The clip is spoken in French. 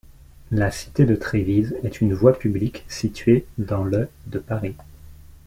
La cité de Trévise est une voie publique située dans le de Paris.